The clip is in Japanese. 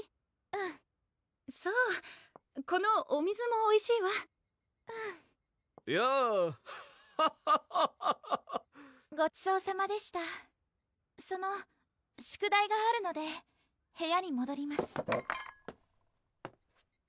うんそうこのお水もおいしいわうんいやぁハハハハハッごちそうさまでしたその宿題があるので部屋にもどります